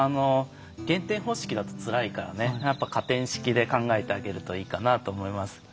減点方式だとつらいから加点式で考えてあげるといいかなと思います。